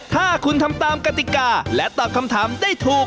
ถ้าคุณทำตามกติกาและตอบคำถามได้ถูก